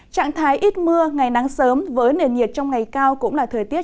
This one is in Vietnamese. trạng thái ít mưa ngày nắng sớm với nền nhiệt trong ngày cao cũng là thời tiết